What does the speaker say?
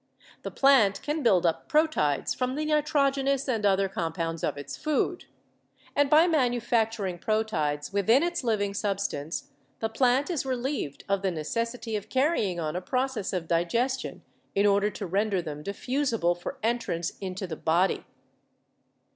The plant can build up proteids from the nitrogenous and other com pounds of its food. And by manufacturing proteids within its living substance, the plant is relieved of the necessity of carrying on a process of digestion in order to render them diffusible for entrance into the body.